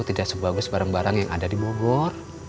bagaimana kalau kita lihat sebagus barang barang yang ada di bogor